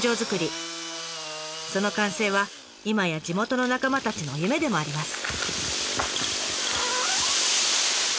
その完成は今や地元の仲間たちの夢でもあります。